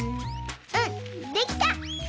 うんできた！